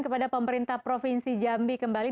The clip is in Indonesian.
kepada pemerintah provinsi jambi kembali